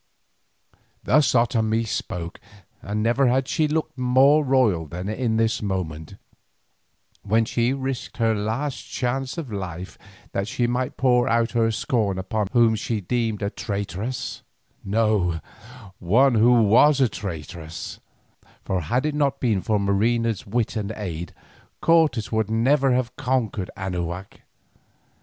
Thus Otomie spoke, and never had she looked more royal than in this moment, when she risked her last chance of life that she might pour out her scorn upon one whom she deemed a traitress, no, one who was a traitress, for had it not been for Marina's wit and aid, Cortes would never have conquered Anahuac.